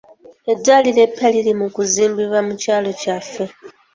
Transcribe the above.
Eddwaliro eppya liri mu kuzimbibwa mu kyalo kyaffe.